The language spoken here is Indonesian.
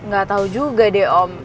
gak tau juga deh om